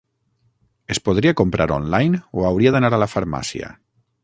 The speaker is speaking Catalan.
Es podria comprar online o hauria d'anar a la farmàcia?